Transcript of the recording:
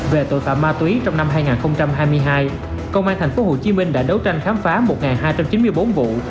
về tội phạm ma túy trong năm hai nghìn hai mươi hai công an tp hcm đã đấu tranh khám phá một hai trăm chín mươi bốn vụ